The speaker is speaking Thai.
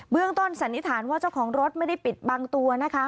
เรื่องต้นสันนิษฐานว่าเจ้าของรถไม่ได้ปิดบังตัวนะคะ